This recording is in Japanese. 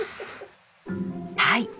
はい。